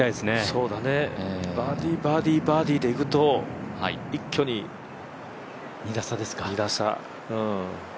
そうだね、バーディー、バーディーバーディーでいくと一挙に２打差。